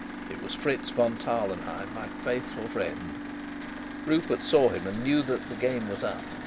It was Fritz von Tarlenheim, my faithful friend. Rupert saw him, and knew that the game was up.